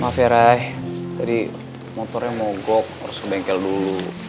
maaf ya rai tadi motornya mogok harus ke bengkel dulu